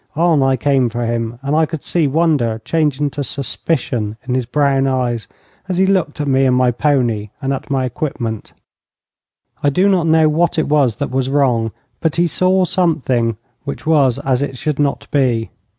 On I came for him, and I could see wonder changing to suspicion in his brown eyes as he looked at me and at my pony, and at my equipment. I do not know what it was that was wrong, but he saw something which was as it should not be.